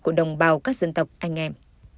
của đồng bào các dân tộc anh em